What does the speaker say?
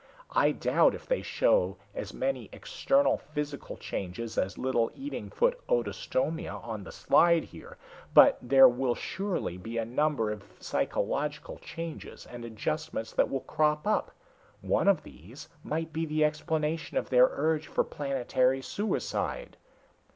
I doubt if they show as many external physical changes as little eating foot Odostomia on the slide here, but there will surely be a number of psychological changes and adjustments that will crop up. One of these might be the explanation of their urge for planetary suicide."